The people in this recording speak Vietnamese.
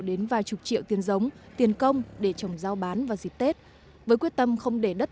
đến vài chục triệu tiền giống tiền công để trồng giao bán vào dịp tết với quyết tâm không để đất